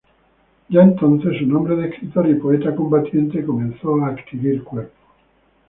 Ya entonces, su nombre de escritor y poeta combatiente comenzó a adquirir cuerpo.